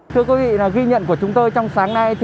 thưa quý vị ghi nhận của chúng tôi trong sáng nay